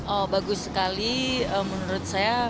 oh bagus sekali menurut saya